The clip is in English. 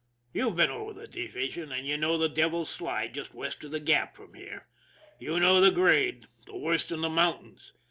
You've been over the division, and you know the Devil's Slide just west of the Gap from here. You know the grade the worst in the mountains.